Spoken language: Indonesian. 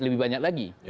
lebih banyak lagi